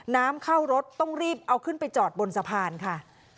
น้ำเข้ารถต้องรีบเอาขึ้นไปจอดบนสะพานค่ะ